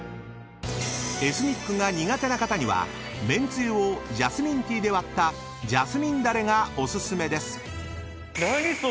［エスニックが苦手な方にはめんつゆをジャスミンティーで割ったジャスミンだれがお薦めです］